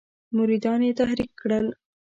مریدان یې تحریک کړل.